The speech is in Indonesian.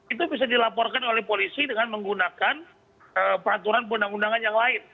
itu bisa dilaporkan oleh polisi dengan menggunakan peraturan undang undangan yang lain